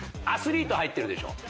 アスリート入ってるでしょ？